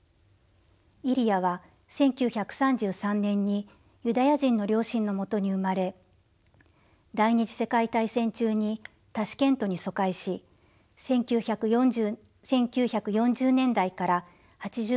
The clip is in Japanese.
イリヤは１９３３年にユダヤ人の両親のもとに生まれ第２次世界大戦中にタシケントに疎開し１９４０年代から８０年代半ばまでモスクワで暮らし